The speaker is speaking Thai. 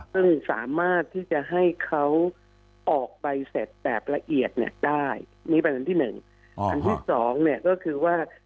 คนสามารถที่จะให้เขาออกไปเสร็จแบบละเอียดได้อันที่สองก็คือว่า